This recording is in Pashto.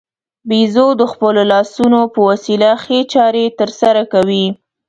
بیزو د خپلو لاسونو په وسیله ښې چارې ترسره کوي.